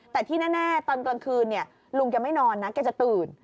แต่ที่แน่ตอนกลางคืนลุงแกไม่นอนนะแกจะตื่น